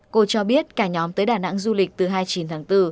cô cho biết cả nhóm tới đà nẵng du lịch từ hai mươi chín tháng bốn